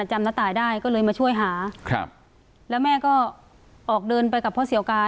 ณตายได้ก็เลยมาช่วยหาครับแล้วแม่ก็ออกเดินไปกับพ่อเสียวกา